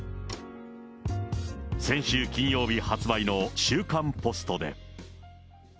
先週金曜日発売の週刊ポストで。